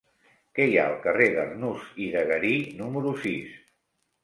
Què hi ha al carrer d'Arnús i de Garí número sis?